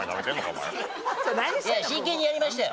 お前いや真剣にやりましたよ